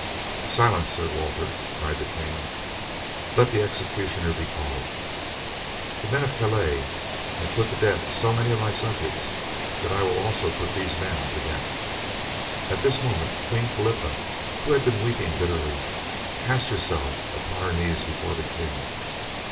"Silence, Sir Walter!" cried the king. "Let the executioner be called. The men of Calais have put to death so many of my subjects that I will also put these men to death." At this moment Queen Philippa, who had been weeping bitterly, cast herself upon her knees before the king.